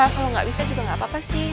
kalau gak bisa juga gak apa apa sih